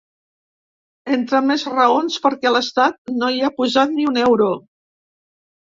Entre més raons, perquè l’estat no hi ha posat ni un euro.